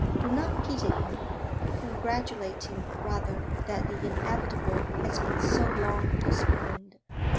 Do not pity him; congratulate him rather that the inevitable has been so long postponed.